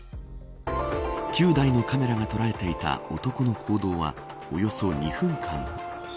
９台のカメラが捉えていた男の行動はおよそ２分間。